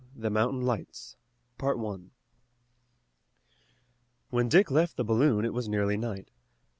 THE MOUNTAIN LIGHTS When Dick left the balloon it was nearly night.